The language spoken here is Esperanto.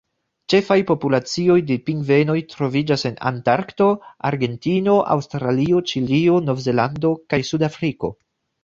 Ĉefaj populacioj de pingvenoj troviĝas en Antarkto, Argentino, Aŭstralio, Ĉilio, Novzelando, kaj Sudafriko.